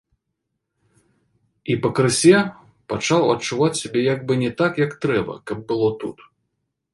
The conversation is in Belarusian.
І пакрысе пачаў адчуваць сябе як бы не так, як трэба, каб было тут.